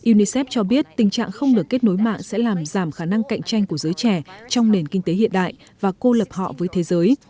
unicef cho biết tình trạng không được kết nối mạng sẽ làm giảm khả năng cạnh tranh của giới trẻ trong nền kinh tế hiện đại và cô lập họ với thế giới